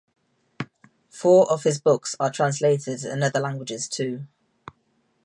Four of his books are translated in other languages too.